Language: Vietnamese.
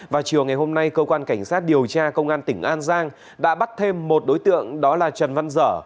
vào chiều ngày hôm nay cơ quan cảnh sát điều tra công an tỉnh an giang đã bắt thêm một đối tượng đó là trần văn dở